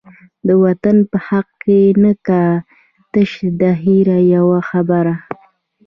د وطن په حق کی نه کا، تش دخیر یوه خبره